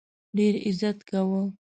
ډېر عزت کاوه.